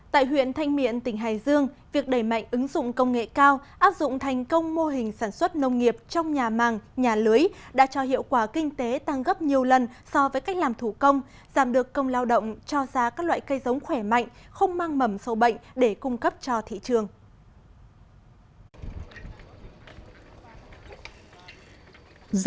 tại huyện thanh miện tỉnh hải dương việc đẩy mạnh ứng dụng công nghệ cao áp dụng thành công mô hình sản xuất nông nghiệp trong nhà màng nhà lưới đã cho hiệu quả kinh tế tăng gấp nhiều lần so với cách làm thủ công giảm được công lao động cho ra các loại cây giống khỏe mạnh không mang mầm sâu bệnh để cung cấp cho thị trường